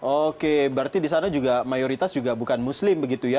oke berarti di sana juga mayoritas juga bukan muslim begitu ya